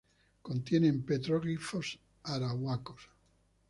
Contienen petroglifos Arahuacos.